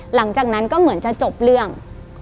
หลังจากนั้นก็เหมือนจะจบเรื่อง